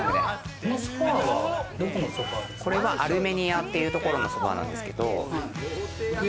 これはアルメニアっていうところのソファなんですけど。